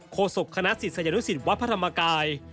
โคศกคณะศิษย์สัญญนุษย์วัดพระธรรมกาย